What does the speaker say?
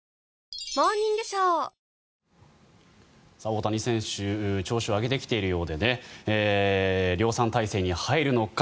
大谷選手調子を上げてきているようで量産体制に入るのか。